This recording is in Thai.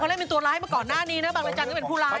เล่นเป็นตัวร้ายมาก่อนหน้านี้นะบางรายจันทร์ก็เป็นผู้ร้าย